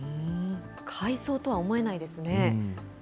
海藻とは思えないですね。